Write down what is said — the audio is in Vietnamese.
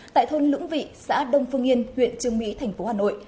tại thôn lũng vị xã đông phương yên huyện trương mỹ thành phố hà nội